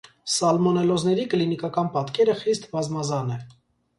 Սալմոնելոզների կլինիկական պատկերը խիստ բազմազան է։